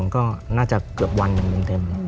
ก็วันเกือบเว้นเต็ม